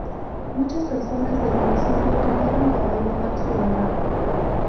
Muchas personas del municipio tuvieron que abandonar su hogar.